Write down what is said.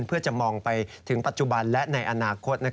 เพื่อจะมองไปถึงปัจจุบันและในอนาคต